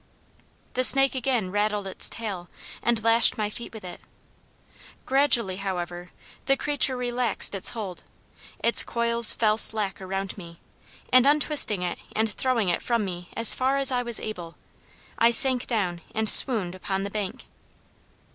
The snake again rattled its tail and lashed my feet with it. Gradually, however, the creature relaxed its hold, its coils fell slack around me, and untwisting it and throwing it from me as far as I was able, I sank down and swooned upon the bank.